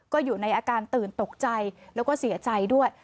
ก็อยู่ในอาการตื่นตกใจแล้วก็เสียใจด้วย